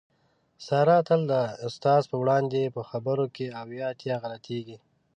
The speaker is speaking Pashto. ساره تل د استاد په وړاندې په خبرو کې اویا اتیا غلطېږي.